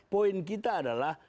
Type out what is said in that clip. poin kita adalah